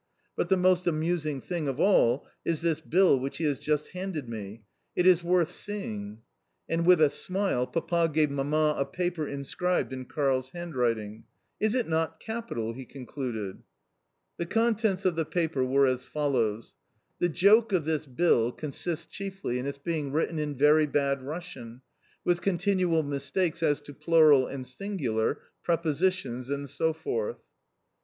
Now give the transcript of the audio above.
But the most amusing thing of all is this bill which he has just handed me. It is worth seeing," and with a smile Papa gave Mamma a paper inscribed in Karl's handwriting. "Is it not capital?" he concluded. The contents of the paper were as follows: [The joke of this bill consists chiefly in its being written in very bad Russian, with continual mistakes as to plural and singular, prepositions and so forth.